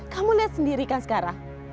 kamu lihat sendiri kan sekarang